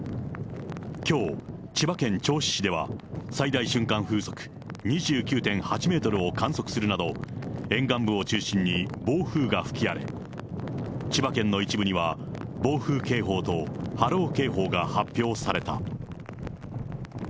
きょう、千葉県銚子市では最大瞬間風速２９．８メートルを観測するなど、沿岸部を中心に、暴風が吹き荒れ、千葉県の一部には、暴風警報と波浪警報が発表された。